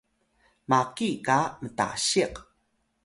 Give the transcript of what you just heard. maki qa mtasiq